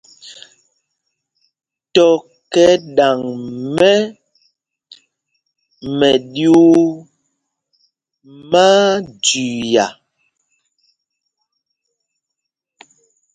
Tɔ̄ kɛ ɗaŋ mɛ́ mɛɗyuu, má á jüia.